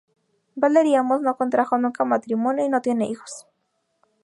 Valery Amos no contrajo nunca matrimonio y no tiene hijos.